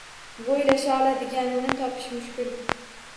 Bo’ylasha oladiganini topish mushkul.